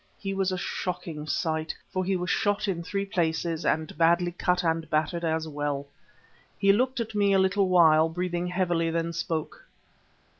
He was a shocking sight, for he was shot in three places, and badly cut and battered as well. He looked at me a little while, breathing heavily, then spoke.